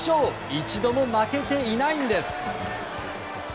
一度も負けていないんです。